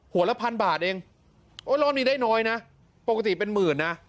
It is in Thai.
หัวละพันบาทเองโอ้ยเรามีได้น้อยน่ะปกติเป็นหมื่นน่ะ